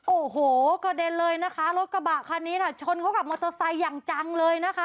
โอ้โหกระเด็นเลยนะคะรถกระบะคันนี้ค่ะชนเข้ากับมอเตอร์ไซค์อย่างจังเลยนะคะ